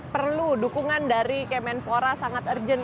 perlu dukungan dari kemenpora sangat urgent